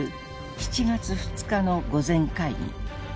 ７月２日の御前会議。